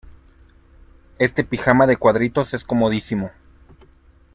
Este pijama de cuadritos es comodísimo.